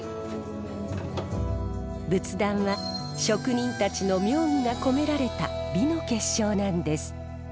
仏壇は職人たちの妙技が込められた美の結晶なんです。